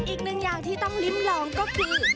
อีกหนึ่งอย่างที่ต้องริ้มลองก็คือ